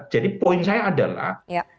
jadi poin saya adalah